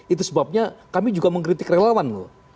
itu sebabnya kami juga mengkritik relawan loh